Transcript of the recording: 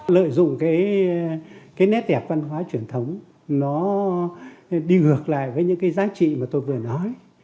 lợi dụng cái nét đẹp văn hóa truyền thống nó đi ngược lại với những cái giá trị mà tôi vừa nói